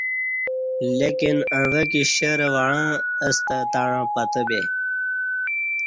لیکن اہ عویکی شیر ہ وعݩع اہ ستہ تݩع پتہ بے